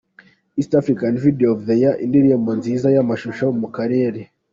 East African Video of the year: Indirimbo nziza y’amashusho mu karere.